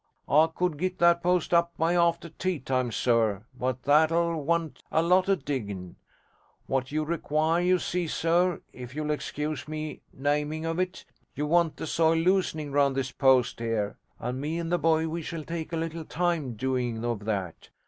I could git that post up by after tea time, sir, but that'll want a lot of digging. What you require, you see, sir, if you'll excuse me naming of it, you want the soil loosening round this post 'ere, and me and the boy we shall take a little time doing of that.